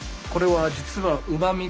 これは実はえっ？